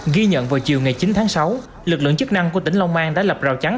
ghi nhận vào chiều ngày chín tháng sáu lực lượng chức năng của tỉnh long an đã lập rào chắn